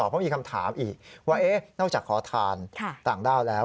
เพราะมีคำถามอีกว่านอกจากขอทานต่างด้าวแล้ว